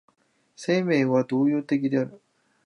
生命は動揺的である。